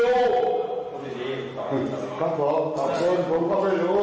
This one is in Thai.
ผมดีต่อไปก่อนครับผมครับผมขอบคุณผมก็ไม่รู้